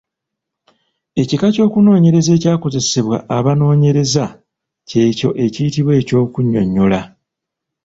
Ekika ky'okunoonyereza ekyakozesebwa abanoonyereza ky'ekyo ekiyitibwa eky'okunnyonnyola.